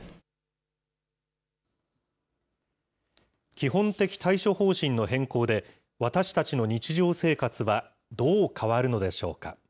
基本的対処方針の変更で、私たちの日常生活はどう変わるのでしょうか。